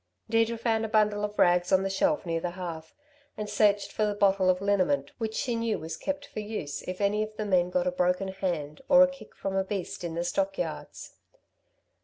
Deirdre found a bundle of rags on the shelf near the hearth, and searched for the bottle of liniment which she knew was kept for use if any of the men got a broken hand or a kick from a beast in the stock yards.